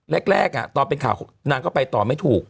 แรกตอนเป็นข่าวนางก็ไปต่อไม่ถูก